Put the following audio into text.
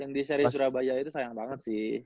yang di seri surabaya itu sayang banget sih